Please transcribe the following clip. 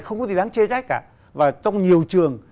không có gì đáng chê trách cả và trong nhiều trường